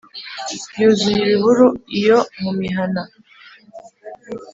Yuzuye ibihuru iyo mu mihana.